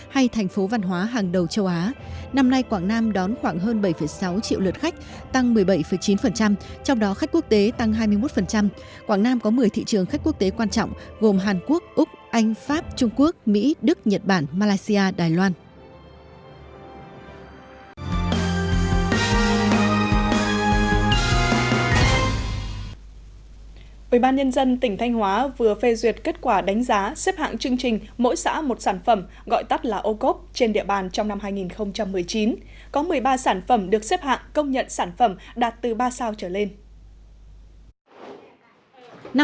hội an vừa phê duyệt kết quả đánh giá xếp hạng chương trình mỗi xã một sản phẩm gọi tắt là ô cốp trên địa bàn trong năm hai nghìn một mươi chín có một mươi ba sản phẩm được xếp hạng công nhận sản phẩm đạt từ ba sao trở lên